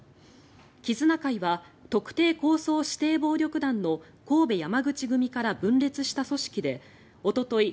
絆会は特定抗争指定暴力団の神戸山口組から分裂した組織でおととい